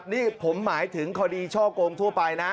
นี่ผมหมายถึงคดีช่อกงทั่วไปนะ